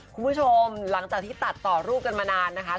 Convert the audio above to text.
คุณผู้ชมหลังจากที่ตัดต่อรูปกันมานานนะคะ